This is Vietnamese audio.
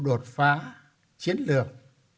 đột phá chiến lược